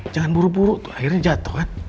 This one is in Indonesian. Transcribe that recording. jangan buru buru tuh akhirnya jatuh kan